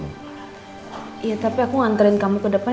iya tapi aku nganterin kamu ke depan